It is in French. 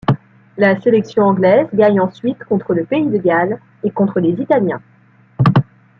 La sélection anglaise gagne ensuite contre le pays de Galles et contre les Italiens.